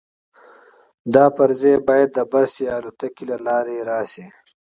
دا پرزې باید د بس یا الوتکې له لارې راشي